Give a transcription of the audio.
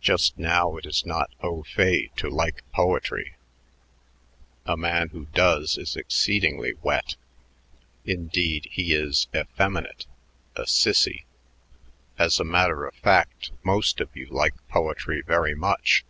Just now it is not au fait to like poetry; a man who does is exceedingly wet, indeed; he is effeminate, a sissy. As a matter of fact, most of you like poetry very much.